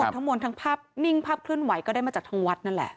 ทั้งหมดทั้งภาพนิ่งภาพเคลื่อนไหวก็ได้มาจากทางวัดนั่นแหละ